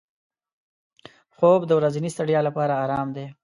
خوب د ورځني ستړیا لپاره آرام دی